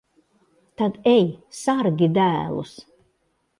Tad ej, sargi dēlus.